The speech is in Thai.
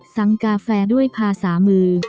สั่งกาแฟด้วยภาษามือ